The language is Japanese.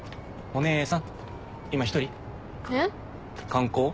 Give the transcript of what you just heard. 観光？